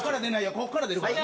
こっから出るからね。